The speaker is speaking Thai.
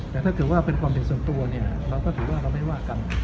แต่ถ้าเกิดว่าเป็นความผิดส่วนตัวเนี่ยเราก็ถือว่าเราไม่ว่ากัน